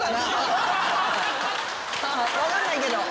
分かんないけど。